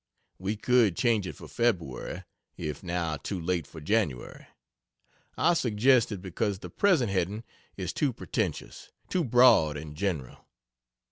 We could change it for Feb. if now too late for Jan. I suggest it because the present heading is too pretentious, too broad and general.